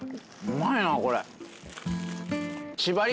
うまいなこれ。